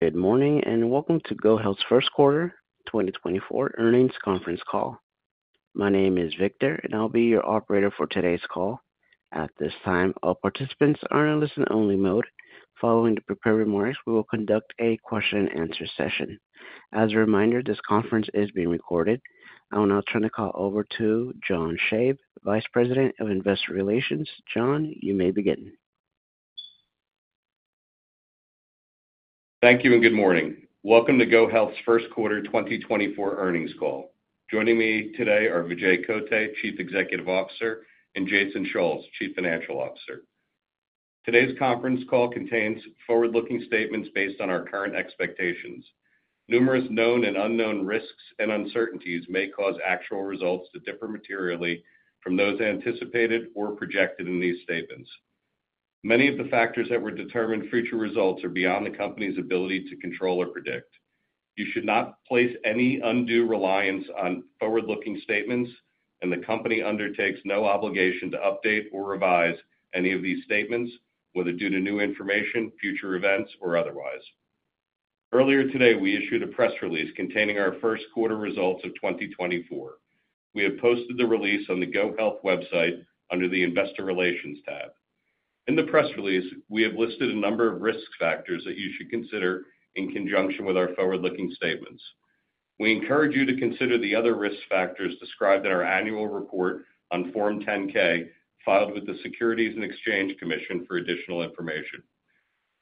Good morning and welcome to GoHealth's first quarter, 2024, earnings conference call. My name is Victor, and I'll be your operator for today's call. At this time, all participants are in a listen-only mode. Following the prepared remarks, we will conduct a question-and-answer session. As a reminder, this conference is being recorded. I will now turn the call over to John Shave, Vice President of Investor Relations. John, you may begin. Thank you and good morning. Welcome to GoHealth's first quarter, 2024, earnings call. Joining me today are Vijay Kotte, Chief Executive Officer, and Jason Schulz, Chief Financial Officer. Today's conference call contains forward-looking statements based on our current expectations. Numerous known and unknown risks and uncertainties may cause actual results to differ materially from those anticipated or projected in these statements. Many of the factors that would determine future results are beyond the company's ability to control or predict. You should not place any undue reliance on forward-looking statements, and the company undertakes no obligation to update or revise any of these statements, whether due to new information, future events, or otherwise. Earlier today, we issued a press release containing our first quarter results of 2024. We have posted the release on the GoHealth website under the Investor Relations tab. In the press release, we have listed a number of risk factors that you should consider in conjunction with our forward-looking statements. We encourage you to consider the other risk factors described in our annual report on Form 10-K filed with the Securities and Exchange Commission for additional information.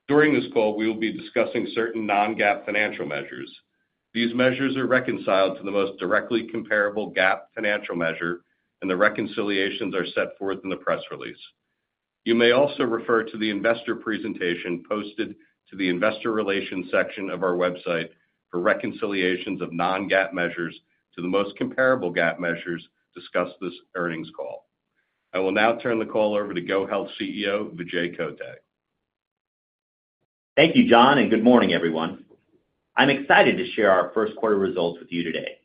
During this call, we will be discussing certain non-GAAP financial measures. These measures are reconciled to the most directly comparable GAAP financial measure, and the reconciliations are set forth in the press release. You may also refer to the investor presentation posted to the Investor Relations section of our website for reconciliations of non-GAAP measures to the most comparable GAAP measures discussed this earnings call. I will now turn the call over to GoHealth CEO Vijay Kotte. Thank you, John, and good morning, everyone. I'm excited to share our first quarter results with you today.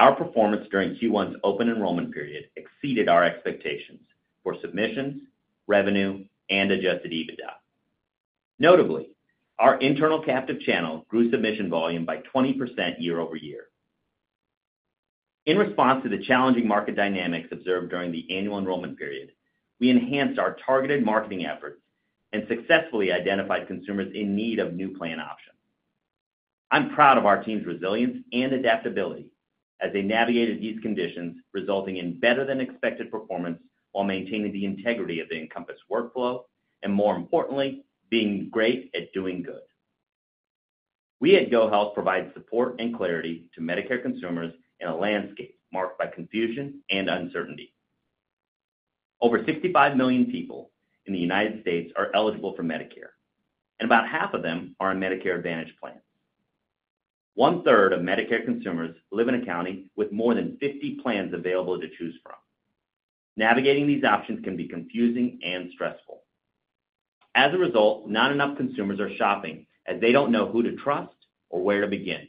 Our performance during Q1's Open Enrollment Period exceeded our expectations for submissions, revenue, and Adjusted EBITDA. Notably, our internal Captive Channel grew submission volume by 20% year-over-year. In response to the challenging market dynamics observed during the Annual Enrollment Period, we enhanced our targeted marketing efforts and successfully identified consumers in need of new plan options. I'm proud of our team's resilience and adaptability as they navigated these conditions resulting in better-than-expected performance while maintaining the integrity of the Encompass workflow and, more importantly, being great at doing good. We at GoHealth provide support and clarity to Medicare consumers in a landscape marked by confusion and uncertainty. Over 65 million people in the United States are eligible for Medicare, and about half of them are on Medicare Advantage plans. One-third of Medicare consumers live in a county with more than 50 plans available to choose from. Navigating these options can be confusing and stressful. As a result, not enough consumers are shopping as they don't know who to trust or where to begin.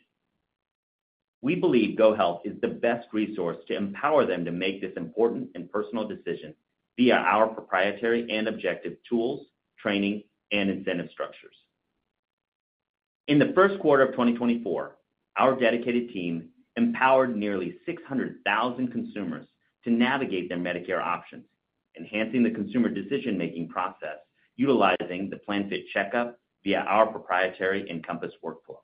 We believe GoHealth is the best resource to empower them to make this important and personal decision via our proprietary and objective tools, training, and incentive structures. In the first quarter of 2024, our dedicated team empowered nearly 600,000 consumers to navigate their Medicare options, enhancing the consumer decision-making process utilizing the PlanFit CheckUp via our proprietary Encompass workflow.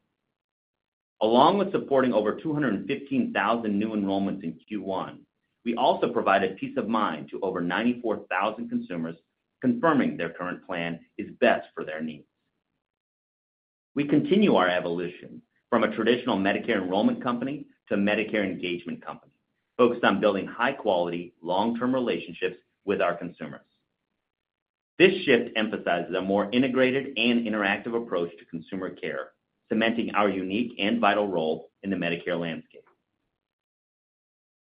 Along with supporting over 215,000 new enrollments in Q1, we also provided peace of mind to over 94,000 consumers, confirming their current plan is best for their needs. We continue our evolution from a traditional Medicare enrollment company to a Medicare engagement company focused on building high-quality, long-term relationships with our consumers. This shift emphasizes a more integrated and interactive approach to consumer care, cementing our unique and vital role in the Medicare landscape.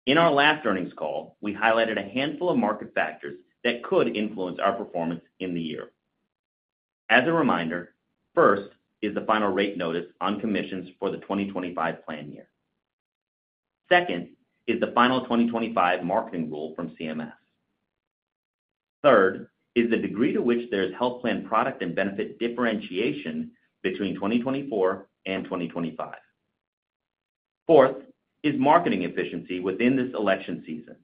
In our last earnings call, we highlighted a handful of market factors that could influence our performance in the year. As a reminder, first is the final rate notice on commissions for the 2025 plan year. Second is the final 2025 marketing rule from CMS. Third is the degree to which there is health plan product and benefit differentiation between 2024 and 2025. Fourth is marketing efficiency within this election season.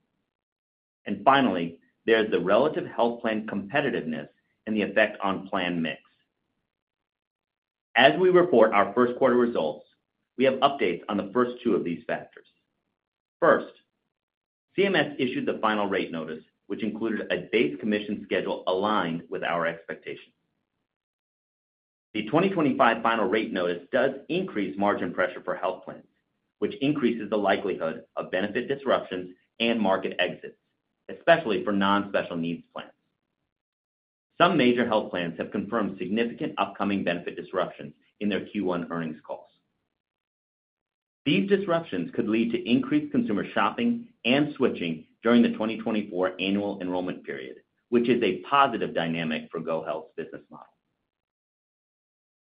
And finally, there is the relative health plan competitiveness and the effect on plan mix. As we report our first quarter results, we have updates on the first two of these factors. First, CMS issued the final rate notice, which included a base commission schedule aligned with our expectations. The 2025 final rate notice does increase margin pressure for health plans, which increases the likelihood of benefit disruptions and market exits, especially for non-Special Needs Plans. Some major health plans have confirmed significant upcoming benefit disruptions in their Q1 earnings calls. These disruptions could lead to increased consumer shopping and switching during the 2024 Annual Enrollment Period, which is a positive dynamic for GoHealth's business model.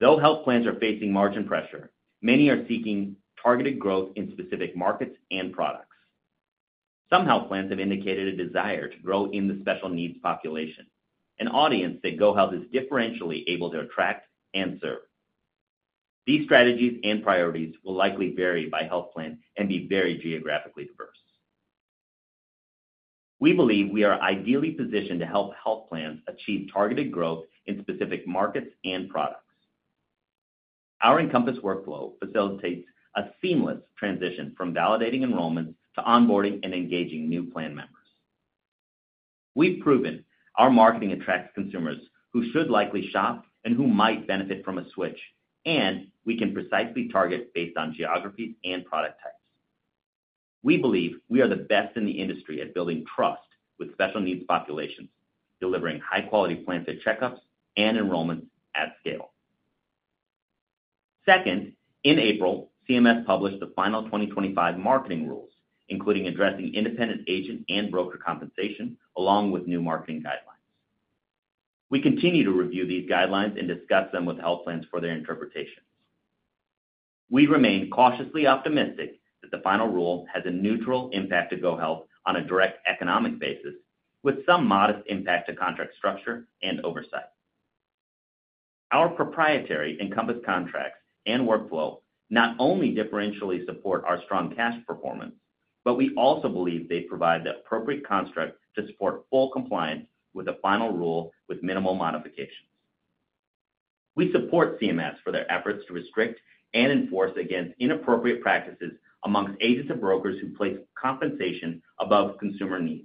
Though health plans are facing margin pressure, many are seeking targeted growth in specific markets and products. Some health plans have indicated a desire to grow in the Special Needs population, an audience that GoHealth is differentially able to attract and serve. These strategies and priorities will likely vary by health plan and be very geographically diverse. We believe we are ideally positioned to help health plans achieve targeted growth in specific markets and products. Our Encompass workflow facilitates a seamless transition from validating enrollments to onboarding and engaging new plan members. We've proven our marketing attracts consumers who should likely shop and who might benefit from a switch, and we can precisely target based on geographies and product types. We believe we are the best in the industry at building trust with special needs populations, delivering high-quality PlanFit CheckUps and enrollments at scale. Second, in April, CMS published the final 2025 marketing rules, including addressing independent agent and broker compensation along with new marketing guidelines. We continue to review these guidelines and discuss them with health plans for their interpretations. We remain cautiously optimistic that the final rule has a neutral impact to GoHealth on a direct economic basis, with some modest impact to contract structure and oversight. Our proprietary Encompass contracts and workflow not only differentially support our strong cash performance, but we also believe they provide the appropriate construct to support full compliance with the final rule with minimal modifications. We support CMS for their efforts to restrict and enforce against inappropriate practices amongst agents and brokers who place compensation above consumer needs.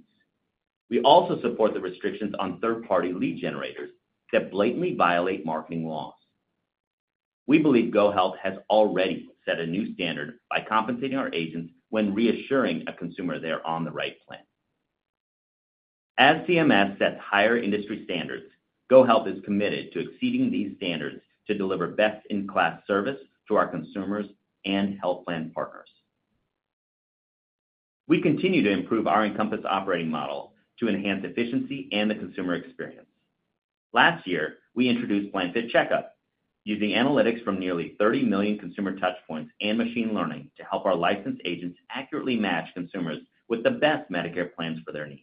We also support the restrictions on third-party lead generators that blatantly violate marketing laws. We believe GoHealth has already set a new standard by compensating our agents when reassuring a consumer they're on the right plan. As CMS sets higher industry standards, GoHealth is committed to exceeding these standards to deliver best-in-class service to our consumers and health plan partners. We continue to improve our Encompass operating model to enhance efficiency and the consumer experience. Last year, we introduced PlanFit CheckUp, using analytics from nearly 30 million consumer touchpoints and machine learning to help our licensed agents accurately match consumers with the best Medicare plans for their needs.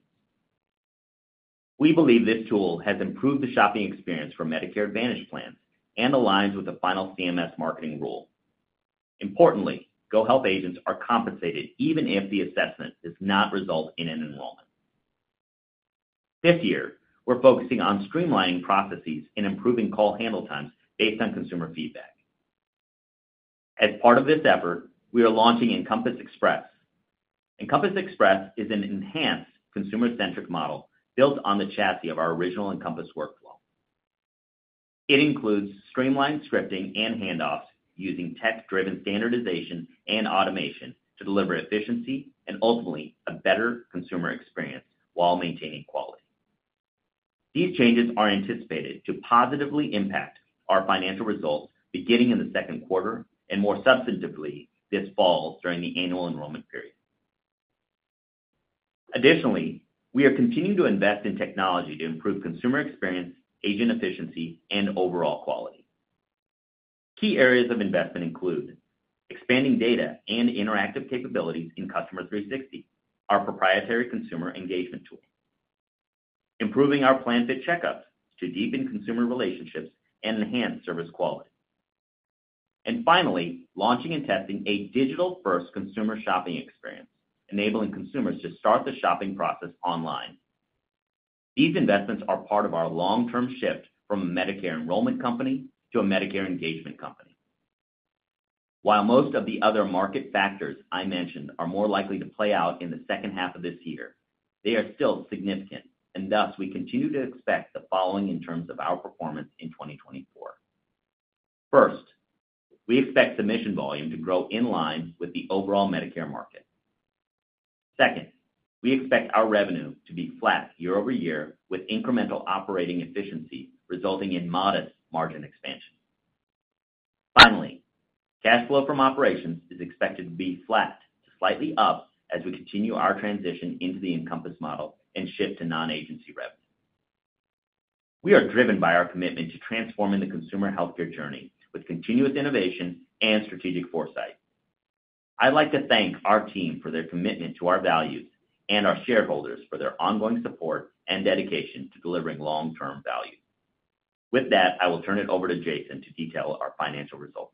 We believe this tool has improved the shopping experience for Medicare Advantage plans and aligns with the final CMS marketing rule. Importantly, GoHealth agents are compensated even if the assessment does not result in an enrollment. Fifth year, we're focusing on streamlining processes and improving call handle times based on consumer feedback. As part of this effort, we are launching Encompass Express. Encompass Express is an enhanced consumer-centric model built on the chassis of our original Encompass workflow. It includes streamlined scripting and handoffs using tech-driven standardization and automation to deliver efficiency and ultimately a better consumer experience while maintaining quality. These changes are anticipated to positively impact our financial results beginning in the second quarter and more substantively this fall during the Annual Enrollment Period. Additionally, we are continuing to invest in technology to improve consumer experience, agent efficiency, and overall quality. Key areas of investment include expanding data and interactive capabilities in Customer 360, our proprietary consumer engagement tool, improving our PlanFit CheckUp to deepen consumer relationships and enhance service quality, and finally, launching and testing a digital-first consumer shopping experience, enabling consumers to start the shopping process online. These investments are part of our long-term shift from a Medicare enrollment company to a Medicare engagement company. While most of the other market factors I mentioned are more likely to play out in the second half of this year, they are still significant, and thus we continue to expect the following in terms of our performance in 2024. First, we expect submission volume to grow in line with the overall Medicare market. Second, we expect our revenue to be flat year-over-year with incremental operating efficiency resulting in modest margin expansion. Finally, cash flow from operations is expected to be flat to slightly up as we continue our transition into the Encompass model and shift to non-agency revenue. We are driven by our commitment to transforming the consumer healthcare journey with continuous innovation and strategic foresight. I'd like to thank our team for their commitment to our values and our shareholders for their ongoing support and dedication to delivering long-term value. With that, I will turn it over to Jason to detail our financial results.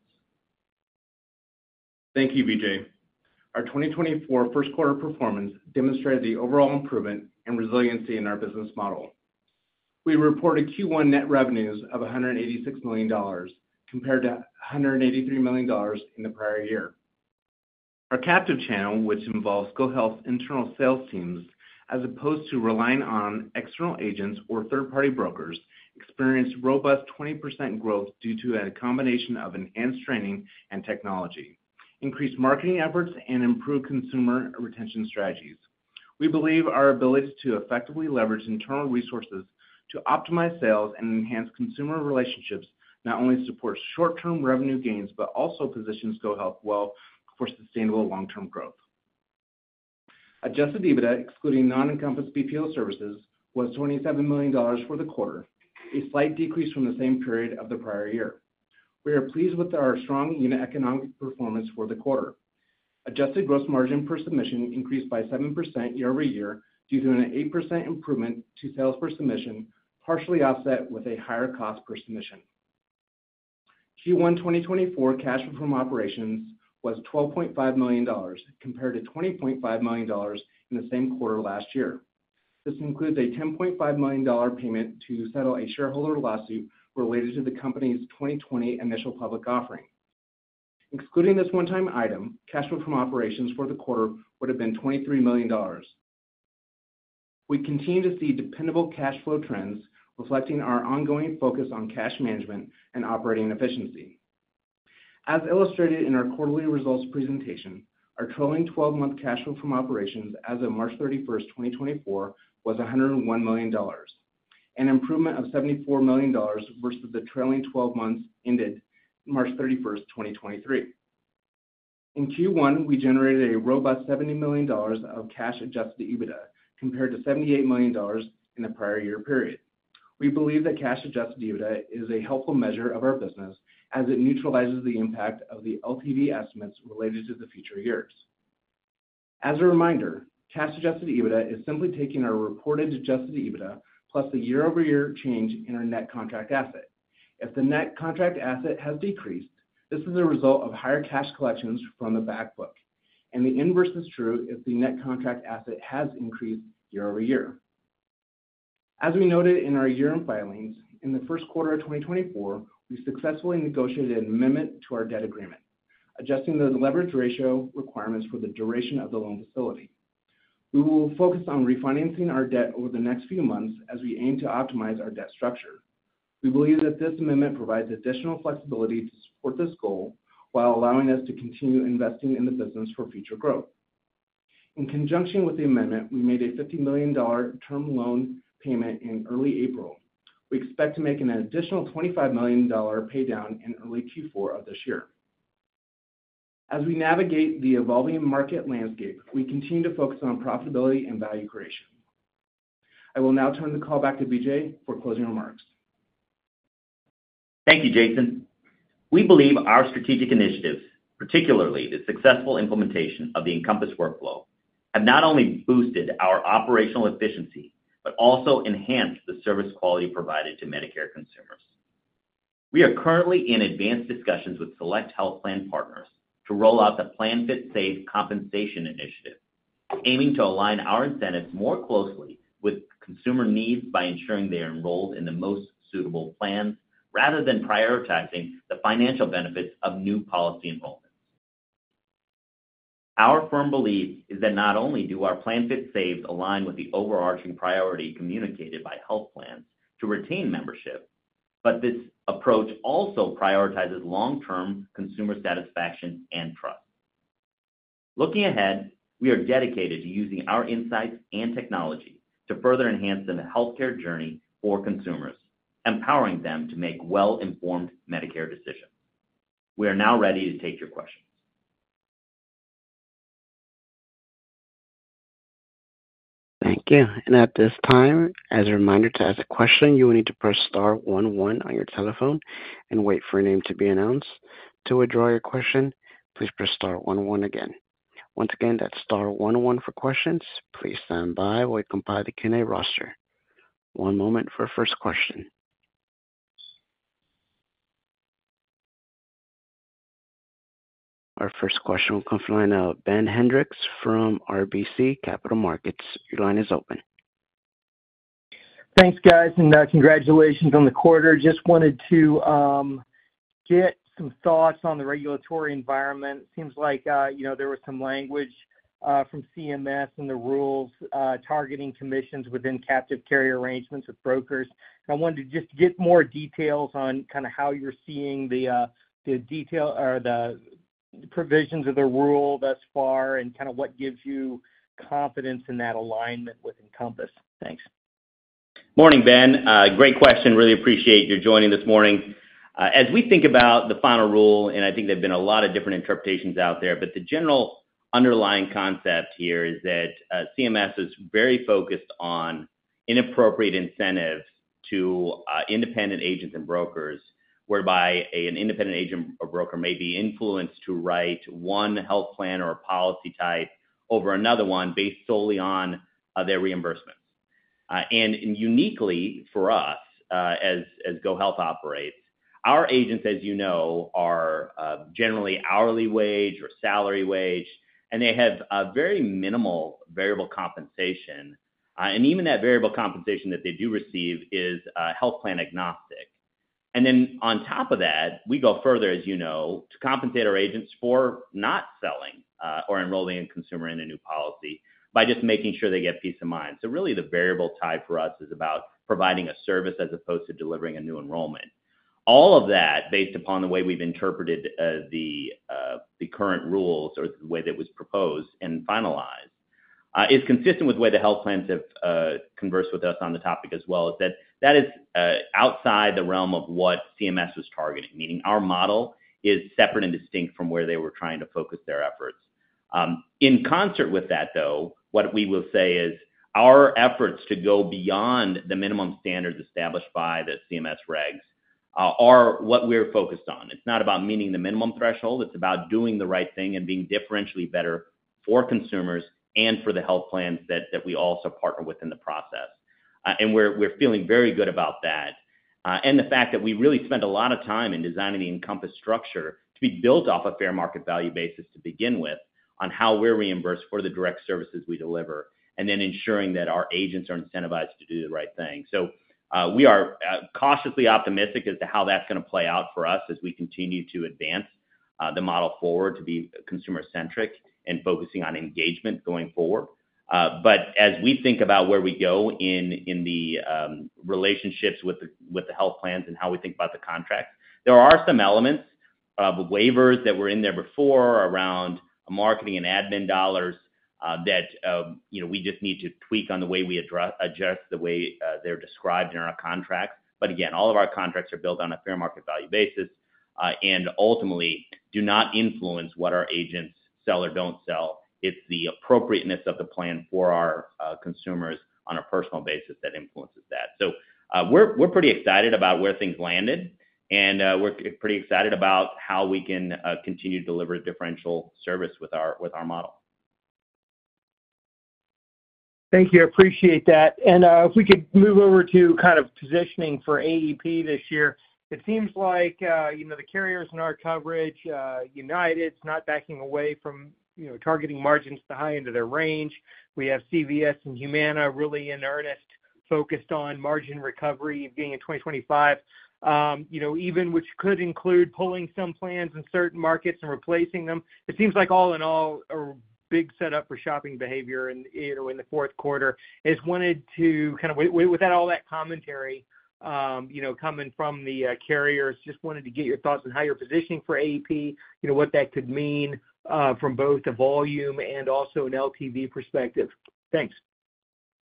Thank you, Vijay. Our 2024 first quarter performance demonstrated the overall improvement and resiliency in our business model. We reported Q1 net revenues of $186 million compared to $183 million in the prior year. Our captive channel, which involves GoHealth's internal sales teams as opposed to relying on external agents or third-party brokers, experienced robust 20% growth due to a combination of enhanced training and technology, increased marketing efforts, and improved consumer retention strategies. We believe our ability to effectively leverage internal resources to optimize sales and enhance consumer relationships not only supports short-term revenue gains but also positions GoHealth well for sustainable long-term growth. Adjusted EBITDA, excluding non-Encompass BPO services, was $27 million for the quarter, a slight decrease from the same period of the prior year. We are pleased with our strong unit economic performance for the quarter. Adjusted gross margin per submission increased by 7% year-over-year due to an 8% improvement to sales per submission, partially offset with a higher cost per submission. Q1 2024 cash flow from operations was $12.5 million compared to $20.5 million in the same quarter last year. This includes a $10.5 million payment to settle a shareholder lawsuit related to the company's 2020 initial public offering. Excluding this one-time item, cash flow from operations for the quarter would have been $23 million. We continue to see dependable cash flow trends reflecting our ongoing focus on cash management and operating efficiency. As illustrated in our quarterly results presentation, our trailing 12-month cash flow from operations as of March 31st, 2024, was $101 million, an improvement of $74 million versus the trailing 12 months ended March 31st, 2023. In Q1, we generated a robust $70 million of Cash Adjusted EBITDA compared to $78 million in the prior year period. We believe that Cash Adjusted EBITDA is a helpful measure of our business as it neutralizes the impact of the LTV estimates related to the future years. As a reminder, Cash Adjusted EBITDA is simply taking our reported Adjusted EBITDA plus the year-over-year change in our net contract asset. If the net contract asset has decreased, this is a result of higher cash collections from the backbook, and the inverse is true if the net contract asset has increased year over year. As we noted in our year-end filings, in the first quarter of 2024, we successfully negotiated an amendment to our debt agreement, adjusting the leverage ratio requirements for the duration of the loan facility. We will focus on refinancing our debt over the next few months as we aim to optimize our debt structure. We believe that this amendment provides additional flexibility to support this goal while allowing us to continue investing in the business for future growth. In conjunction with the amendment, we made a $50 million term loan payment in early April. We expect to make an additional $25 million paydown in early Q4 of this year. As we navigate the evolving market landscape, we continue to focus on profitability and value creation. I will now turn the call back to Vijay for closing remarks. Thank you, Jason. We believe our strategic initiatives, particularly the successful implementation of the Encompass workflow, have not only boosted our operational efficiency but also enhanced the service quality provided to Medicare consumers. We are currently in advanced discussions with select health plan partners to roll out the PlanFit Save compensation initiative, aiming to align our incentives more closely with consumer needs by ensuring they are enrolled in the most suitable plans rather than prioritizing the financial benefits of new policy enrollments. Our firm belief is that not only do our PlanFit saves align with the overarching priority communicated by health plans to retain membership, but this approach also prioritizes long-term consumer satisfaction and trust. Looking ahead, we are dedicated to using our insights and technology to further enhance the healthcare journey for consumers, empowering them to make well-informed Medicare decisions. We are now ready to take your questions. Thank you. At this time, as a reminder to ask a question, you will need to press star one one on your telephone and wait for your name to be announced. To withdraw your question, please press star one one again. Once again, that's star one one for questions. Please stand by while we compile the Q&A roster. One moment for our first question. Our first question will come from the line of Ben Hendrix from RBC Capital Markets. Your line is open. Thanks, guys. Congratulations on the quarter. Just wanted to get some thoughts on the regulatory environment. It seems like there was some language from CMS and the rules targeting commissions within captive carrier arrangements with brokers. I wanted to just get more details on kind of how you're seeing the detail or the provisions of the rule thus far and kind of what gives you confidence in that alignment with Encompass. Thanks. Morning, Ben. Great question. Really appreciate your joining this morning. As we think about the final rule and I think there have been a lot of different interpretations out there, but the general underlying concept here is that CMS is very focused on inappropriate incentives to independent agents and brokers, whereby an independent agent or broker may be influenced to write one health plan or policy type over another one based solely on their reimbursements. Uniquely for us, as GoHealth operates, our agents, as you know, are generally hourly wage or salary wage, and they have very minimal variable compensation. Even that variable compensation that they do receive is health plan agnostic. On top of that, we go further, as you know, to compensate our agents for not selling or enrolling a consumer in a new policy by just making sure they get peace of mind. So really, the variable tie for us is about providing a service as opposed to delivering a new enrollment. All of that, based upon the way we've interpreted the current rules or the way that was proposed and finalized, is consistent with the way the health plans have conversed with us on the topic as well, is that that is outside the realm of what CMS was targeting, meaning our model is separate and distinct from where they were trying to focus their efforts. In concert with that, though, what we will say is our efforts to go beyond the minimum standards established by the CMS regs are what we're focused on. It's not about meeting the minimum threshold. It's about doing the right thing and being differentially better for consumers and for the health plans that we also partner with in the process. We're feeling very good about that and the fact that we really spent a lot of time in designing the Encompass structure to be built off a fair market value basis to begin with on how we're reimbursed for the direct services we deliver and then ensuring that our agents are incentivized to do the right thing. We are cautiously optimistic as to how that's going to play out for us as we continue to advance the model forward to be consumer-centric and focusing on engagement going forward. As we think about where we go in the relationships with the health plans and how we think about the contracts, there are some elements of waivers that were in there before around marketing and admin dollars that we just need to tweak on the way we adjust the way they're described in our contracts. But again, all of our contracts are built on a fair market value basis and ultimately do not influence what our agents sell or don't sell. It's the appropriateness of the plan for our consumers on a personal basis that influences that. So we're pretty excited about where things landed, and we're pretty excited about how we can continue to deliver differential service with our model. Thank you. I appreciate that. If we could move over to kind of positioning for AEP this year, it seems like the carriers in our coverage, United, is not backing away from targeting margins at the high end of their range. We have CVS and Humana really in earnest focused on margin recovery being in 2025, even which could include pulling some plans in certain markets and replacing them. It seems like all in all, a big setup for shopping behavior in the fourth quarter. I just wanted to kind of with all that commentary coming from the carriers, just wanted to get your thoughts on how you're positioning for AEP, what that could mean from both a volume and also an LTV perspective. Thanks.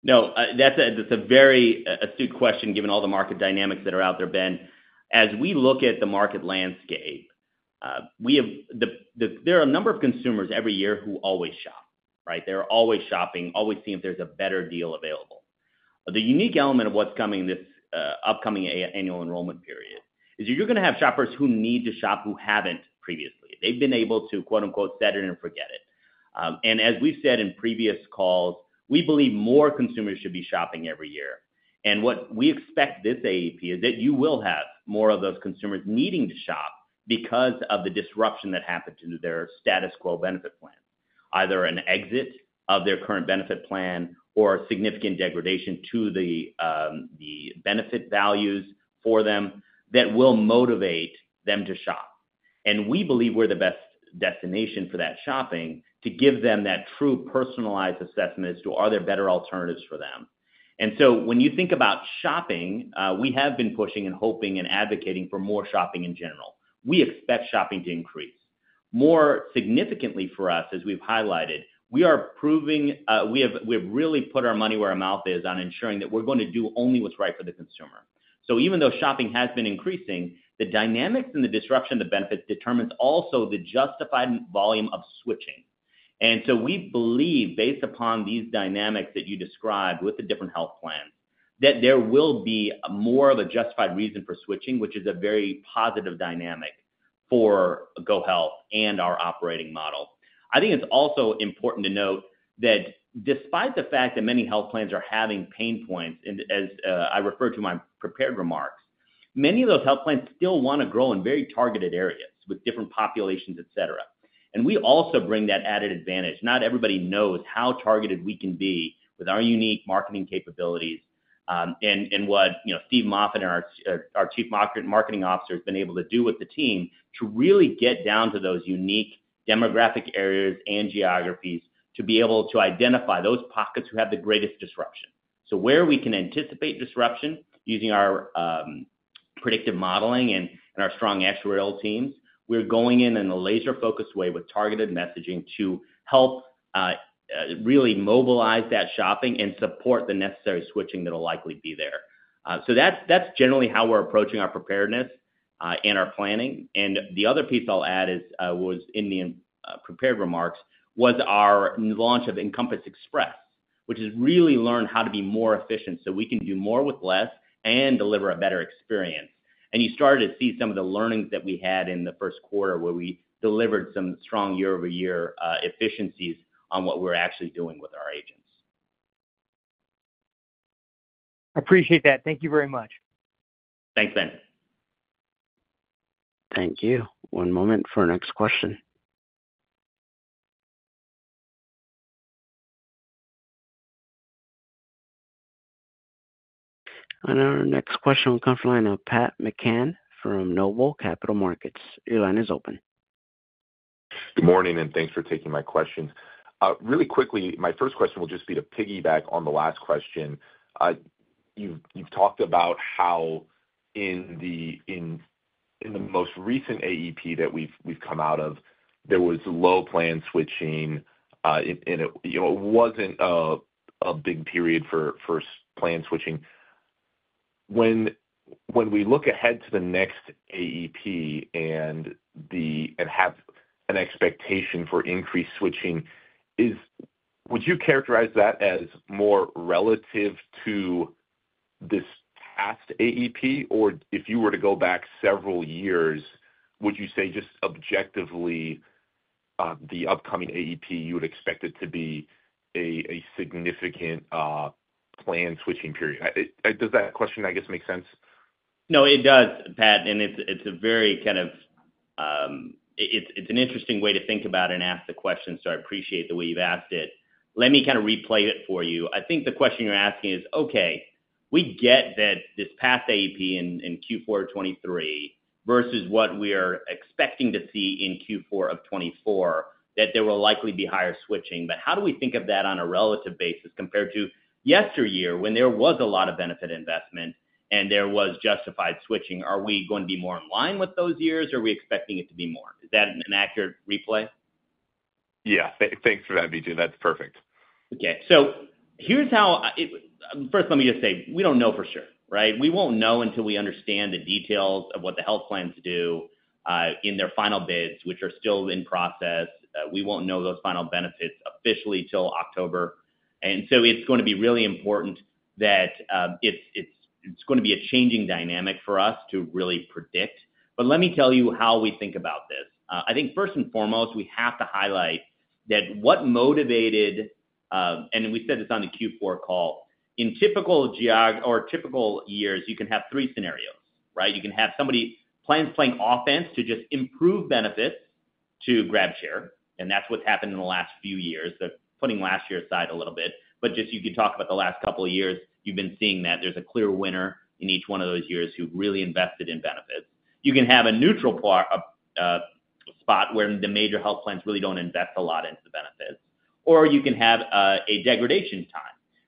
No, that's a very astute question given all the market dynamics that are out there, Ben. As we look at the market landscape, there are a number of consumers every year who always shop, right? They're always shopping, always seeing if there's a better deal available. The unique element of what's coming in this upcoming annual enrollment period is that you're going to have shoppers who need to shop who haven't previously. They've been able to, quote-unquote, "set it and forget it." And as we've said in previous calls, we believe more consumers should be shopping every year. And what we expect this AEP is that you will have more of those consumers needing to shop because of the disruption that happened to their status quo benefit plan, either an exit of their current benefit plan or significant degradation to the benefit values for them that will motivate them to shop. And we believe we're the best destination for that shopping to give them that true personalized assessment as to are there better alternatives for them. And so when you think about shopping, we have been pushing and hoping and advocating for more shopping in general. We expect shopping to increase. More significantly for us, as we've highlighted, we are proving we have really put our money where our mouth is on ensuring that we're going to do only what's right for the consumer. So even though shopping has been increasing, the dynamics and the disruption of the benefits determines also the justified volume of switching. And so we believe, based upon these dynamics that you described with the different health plans, that there will be more of a justified reason for switching, which is a very positive dynamic for GoHealth and our operating model. I think it's also important to note that despite the fact that many health plans are having pain points, and as I refer to my prepared remarks, many of those health plans still want to grow in very targeted areas with different populations, etc. And we also bring that added advantage. Not everybody knows how targeted we can be with our unique marketing capabilities and what Steve Moffat, our Chief Marketing Officer has been able to do with the team to really get down to those unique demographic areas and geographies to be able to identify those pockets who have the greatest disruption. So where we can anticipate disruption using our predictive modeling and our strong actuarial teams, we're going in in a laser-focused way with targeted messaging to help really mobilize that shopping and support the necessary switching that will likely be there. So that's generally how we're approaching our preparedness and our planning. And the other piece I'll add was in the prepared remarks was our launch of Encompass Express, which is really learn how to be more efficient so we can do more with less and deliver a better experience. You started to see some of the learnings that we had in the first quarter where we delivered some strong year-over-year efficiencies on what we're actually doing with our agents. I appreciate that. Thank you very much. Thanks, Ben. Thank you. One moment for our next question. Our next question on the conference line, Pat McCann from Noble Capital Markets. Your line is open. Good morning, and thanks for taking my questions. Really quickly, my first question will just be to piggyback on the last question. You've talked about how in the most recent AEP that we've come out of, there was low plan switching, and it wasn't a big period for plan switching. When we look ahead to the next AEP and have an expectation for increased switching, would you characterize that as more relative to this past AEP? Or if you were to go back several years, would you say just objectively the upcoming AEP, you would expect it to be a significant plan switching period? Does that question, I guess, make sense? No, it does, Pat. And it's a very kind of it's an interesting way to think about and ask the question, so I appreciate the way you've asked it. Let me kind of replay it for you. I think the question you're asking is, "Okay, we get that this past AEP in Q4 of 2023 versus what we are expecting to see in Q4 of 2024, that there will likely be higher switching. But how do we think of that on a relative basis compared to yesteryear when there was a lot of benefit investment and there was justified switching? Are we going to be more in line with those years, or are we expecting it to be more?" Is that an accurate replay? Yeah. Thanks for that, Vijay. That's perfect. Okay. So here's how. First, let me just say, we don't know for sure, right? We won't know until we understand the details of what the health plans do in their final bids, which are still in process. We won't know those final benefits officially till October. And so it's going to be really important that it's going to be a changing dynamic for us to really predict. But let me tell you how we think about this. I think first and foremost, we have to highlight that what motivated and we said this on the Q4 call. In typical years you can have three scenarios, right? You can have some plans playing offense to just improve benefits to grab share. And that's what's happened in the last few years, putting last year aside a little bit. But just you could talk about the last couple of years. You've been seeing that there's a clear winner in each one of those years who've really invested in benefits. You can have a neutral spot where the major health plans really don't invest a lot into the benefits. Or you can have a degradation time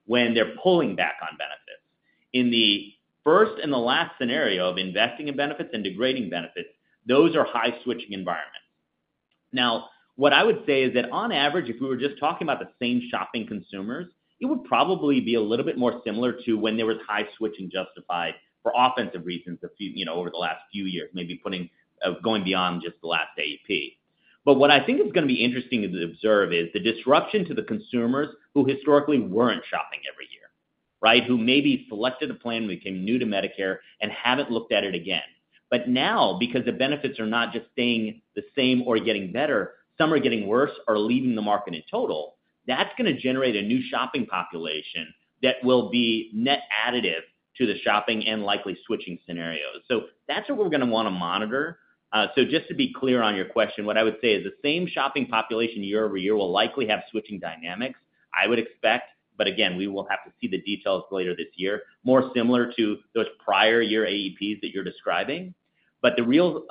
when they're pulling back on benefits. In the first and the last scenario of investing in benefits and degrading benefits, those are high switching environments. Now, what I would say is that on average, if we were just talking about the same shopping consumers, it would probably be a little bit more similar to when there was high switching justified for offensive reasons over the last few years, maybe going beyond just the last AEP. But what I think is going to be interesting to observe is the disruption to the consumers who historically weren't shopping every year, right, who maybe selected a plan when they came new to Medicare and haven't looked at it again. But now, because the benefits are not just staying the same or getting better, some are getting worse or leaving the market in total, that's going to generate a new shopping population that will be net additive to the shopping and likely switching scenarios. So that's what we're going to want to monitor. So just to be clear on your question, what I would say is the same shopping population year-over-year will likely have switching dynamics, I would expect. But again, we will have to see the details later this year, more similar to those prior-year AEPs that you're describing. The real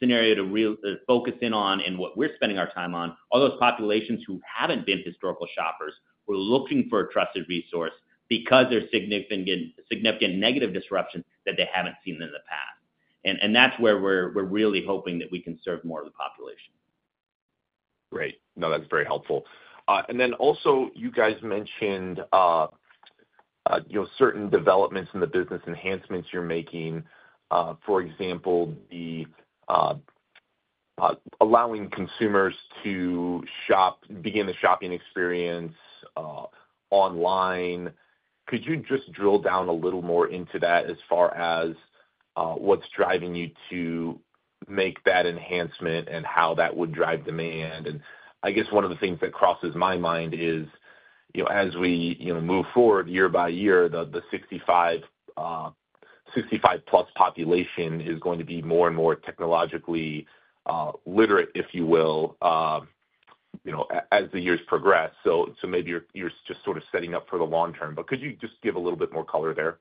scenario to focus in on and what we're spending our time on, all those populations who haven't been historical shoppers were looking for a trusted resource because there's significant negative disruption that they haven't seen in the past. That's where we're really hoping that we can serve more of the population. Great. No, that's very helpful. And then also, you guys mentioned certain developments in the business enhancements you're making, for example, allowing consumers to begin the shopping experience online. Could you just drill down a little more into that as far as what's driving you to make that enhancement and how that would drive demand? And I guess one of the things that crosses my mind is as we move forward year by year, the 65+ population is going to be more and more technologically literate, if you will, as the years progress. So maybe you're just sort of setting up for the long term. But could you just give a little bit more color there?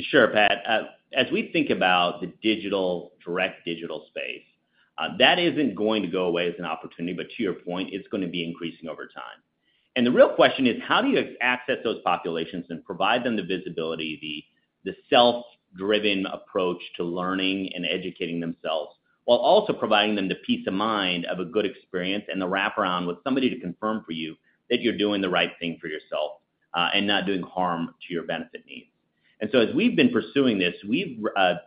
Sure, Pat. As we think about the direct digital space, that isn't going to go away as an opportunity, but to your point, it's going to be increasing over time. And the real question is, how do you access those populations and provide them the visibility, the self-driven approach to learning and educating themselves while also providing them the peace of mind of a good experience and the wrap-around with somebody to confirm for you that you're doing the right thing for yourself and not doing harm to your benefit needs? And so as we've been pursuing this, we've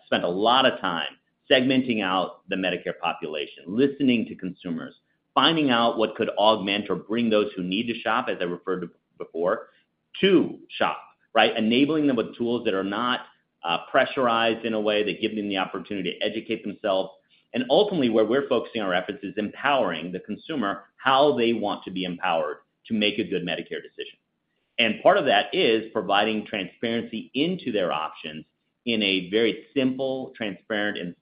spent a lot of time segmenting out the Medicare population, listening to consumers, finding out what could augment or bring those who need to shop, as I referred to before, to shop, right, enabling them with tools that are not pressurized in a way that give them the opportunity to educate themselves. And ultimately, where we're focusing our efforts is empowering the consumer how they want to be empowered to make a good Medicare decision. And part of that is providing transparency into their options in a very simple, transparent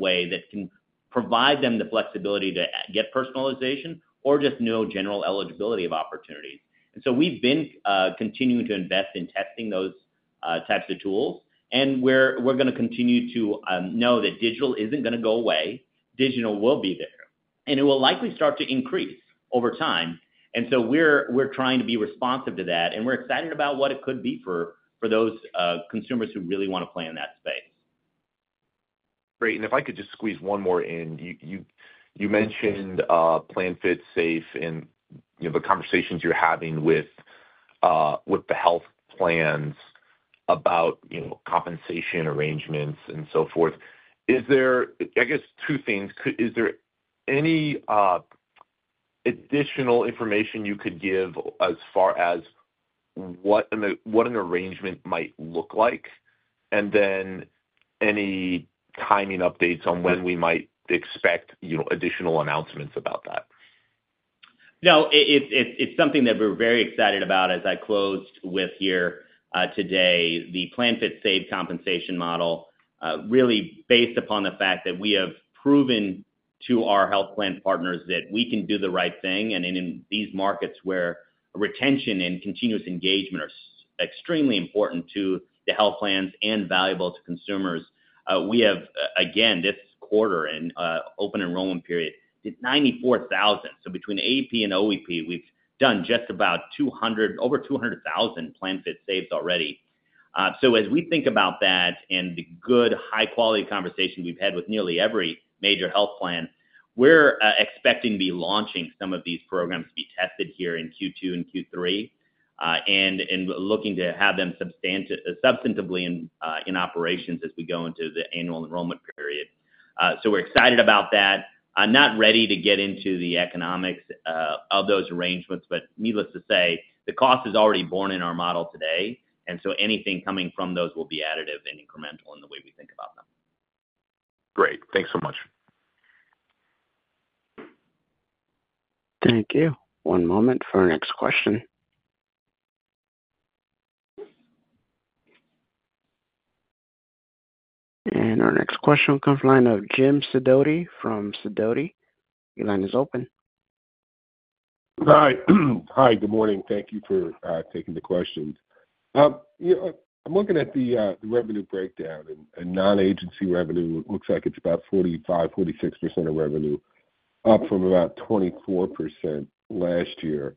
way that can provide them the flexibility to get personalization or just know general eligibility of opportunities. And so we've been continuing to invest in testing those types of tools. And we're going to continue to know that digital isn't going to go away. Digital will be there. It will likely start to increase over time. So we're trying to be responsive to that. We're excited about what it could be for those consumers who really want to play in that space. Great. And if I could just squeeze one more in. You mentioned PlanFit Save, and the conversations you're having with the health plans about compensation arrangements and so forth. I guess two things. Is there any additional information you could give as far as what an arrangement might look like and then any timing updates on when we might expect additional announcements about that? No, it's something that we're very excited about, as I closed with here today, the PlanFit Save compensation model, really based upon the fact that we have proven to our health plan partners that we can do the right thing. And in these markets where retention and continuous engagement are extremely important to the health plans and valuable to consumers, we have, again, this quarter, in Open Enrollment Period, did 94,000. So between AEP and OEP, we've done just about over 200,000 PlanFit Saves already. So as we think about that and the good, high-quality conversation we've had with nearly every major health plan, we're expecting to be launching some of these programs to be tested here in Q2 and Q3 and looking to have them substantively in operations as we go into the Annual Enrollment Period. So we're excited about that. Not ready to get into the economics of those arrangements, but needless to say, the cost is already borne in our model today. And so anything coming from those will be additive and incremental in the way we think about them. Great. Thanks so much. Thank you. One moment for our next question. Our next question on the conference line of Jim Sidoti from Sidoti. Your line is open. Hi. Hi. Good morning. Thank you for taking the questions. I'm looking at the revenue breakdown. And non-agency revenue, it looks like it's about 45%-46% of revenue, up from about 24% last year.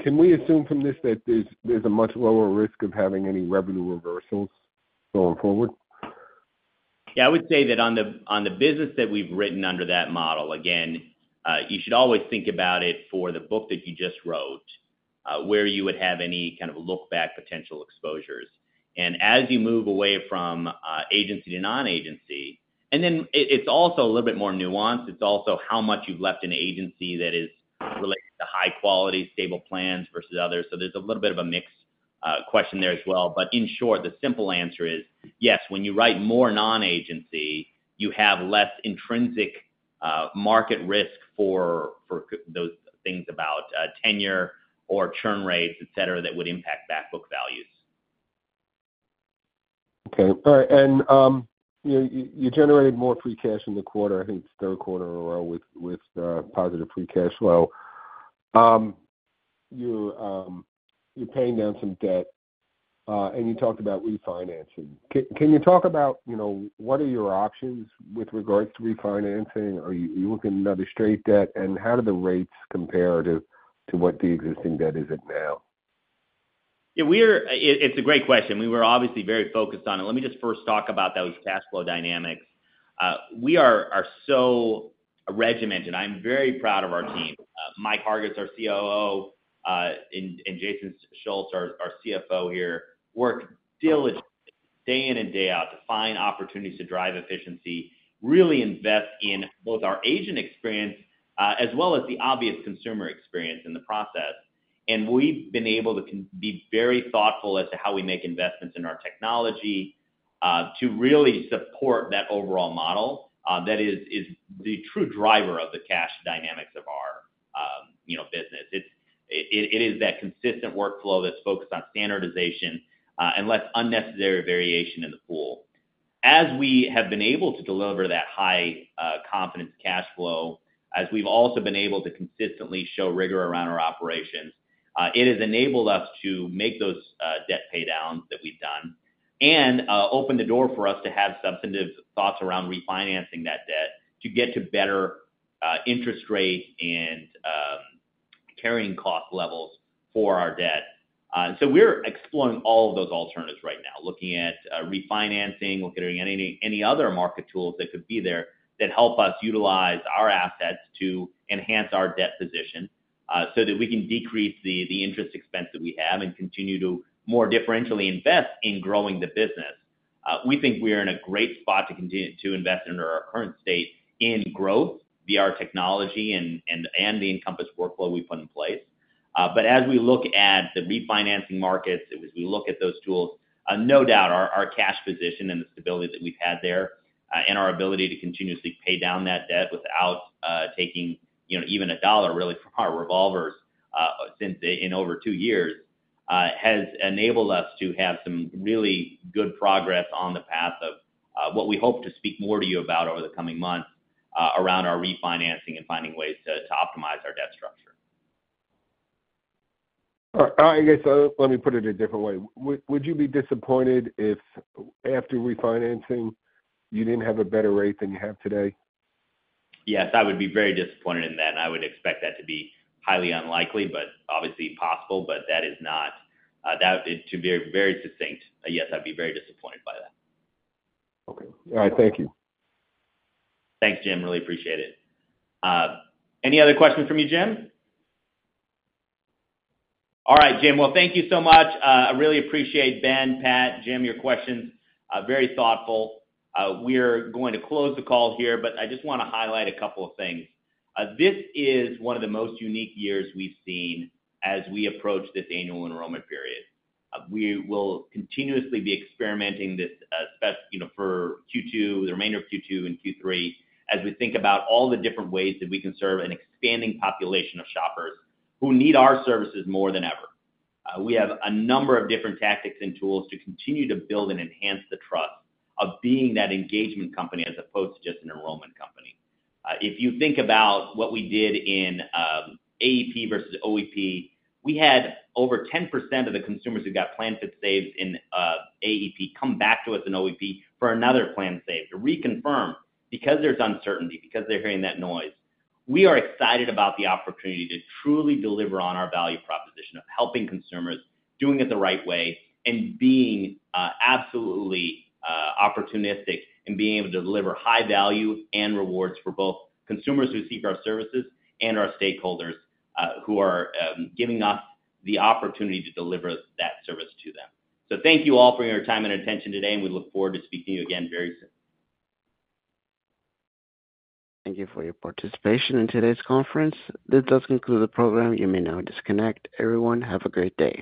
Can we assume from this that there's a much lower risk of having any revenue reversals going forward? Yeah. I would say that on the business that we've written under that model, again, you should always think about it for the book that you just wrote, where you would have any kind of look-back potential exposures. As you move away from agency to non-agency and then it's also a little bit more nuanced. It's also how much you've left in agency that is related to high-quality, stable plans versus others. There's a little bit of a mixed question there as well. In short, the simple answer is, yes, when you write more non-agency, you have less intrinsic market risk for those things about tenure or churn rates, etc., that would impact backbook values. Okay. All right. You generated more free cash in the quarter. I think it's third quarter or so with positive free cash flow. You're paying down some debt, and you talked about refinancing. Can you talk about what are your options with regards to refinancing? Are you looking at another straight debt? How do the rates compare to what the existing debt is at now? Yeah. It's a great question. We were obviously very focused on it. Let me just first talk about those cash flow dynamics. We are so regimented. I'm very proud of our team. Mike Hargis, our COO, and Jason Schulz, our CFO here, work diligently day in and day out to find opportunities to drive efficiency, really invest in both our agent experience as well as the obvious consumer experience in the process. And we've been able to be very thoughtful as to how we make investments in our technology to really support that overall model that is the true driver of the cash dynamics of our business. It is that consistent workflow that's focused on standardization and less unnecessary variation in the pool. As we have been able to deliver that high-confidence cash flow, as we've also been able to consistently show rigor around our operations, it has enabled us to make those debt paydowns that we've done and open the door for us to have substantive thoughts around refinancing that debt to get to better interest rate and carrying cost levels for our debt. And so we're exploring all of those alternatives right now, looking at refinancing, looking at any other market tools that could be there that help us utilize our assets to enhance our debt position so that we can decrease the interest expense that we have and continue to more differentially invest in growing the business. We think we're in a great spot to invest under our current state in growth via our technology and the Encompass workflow we put in place. But as we look at the refinancing markets, as we look at those tools, no doubt, our cash position and the stability that we've had there and our ability to continuously pay down that debt without taking even $1, really, from our revolvers in over two years has enabled us to have some really good progress on the path of what we hope to speak more to you about over the coming months around our refinancing and finding ways to optimize our debt structure. All right. I guess let me put it a different way. Would you be disappointed if after refinancing, you didn't have a better rate than you have today? Yes. I would be very disappointed in that. I would expect that to be highly unlikely, but obviously possible. Yes, I'd be very disappointed by that. Okay. All right. Thank you. Thanks, Jim. Really appreciate it. Any other questions from you, Jim? All right, Jim. Well, thank you so much. I really appreciate Ben, Pat, Jim, your questions. Very thoughtful. We are going to close the call here, but I just want to highlight a couple of things. This is one of the most unique years we've seen as we approach this Annual Enrollment Period. We will continuously be experimenting this for Q2, the remainder of Q2 and Q3, as we think about all the different ways that we can serve an expanding population of shoppers who need our services more than ever. We have a number of different tactics and tools to continue to build and enhance the trust of being that engagement company as opposed to just an enrollment company. If you think about what we did in AEP versus OEP, we had over 10% of the consumers who got PlanFit saves in AEP come back to us in OEP for another PlanFit Save to reconfirm because there's uncertainty, because they're hearing that noise. We are excited about the opportunity to truly deliver on our value proposition of helping consumers, doing it the right way, and being absolutely opportunistic in being able to deliver high value and rewards for both consumers who seek our services and our stakeholders who are giving us the opportunity to deliver that service to them. So thank you all for your time and attention today, and we look forward to speaking to you again very soon. Thank you for your participation in today's conference. This does conclude the program. You may now disconnect. Everyone, have a great day.